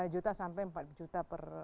lima juta sampai empat juta per